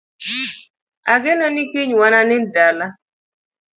Ageno ni kiny wananind dala